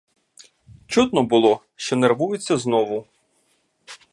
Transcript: Чутно було, що нервується знову.